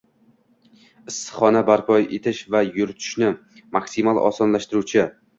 issiqxona barpo etish va yuritishni maksimal osonlashtiruvchi